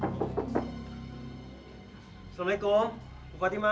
assalamualaikum bukati ma